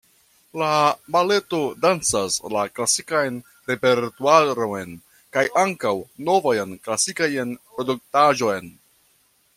La baleto dancas la klasikan repertuaron kaj ankaŭ novajn klasikajn produktaĵojn.